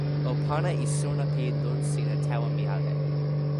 o pana e sona pi lon sina tawa mi ale.